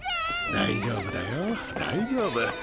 大丈夫だよ大丈夫。